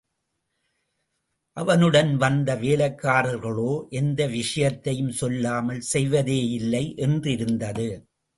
அவனுடன் வந்த வேலைக்காரர்களோ, எந்த விஷயத்தையும் சொல்லாமல் செய்வதேயில்லை என்றிருந்தது.